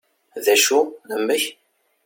d acu amek?